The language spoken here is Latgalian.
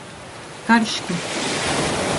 Karški.